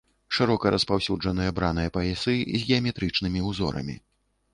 Шырока распаўсюджаныя браныя паясы з геаметрычнымі ўзорамі.